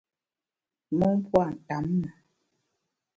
Mon pua’ ntamme.